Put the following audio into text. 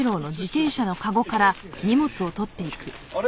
あれ？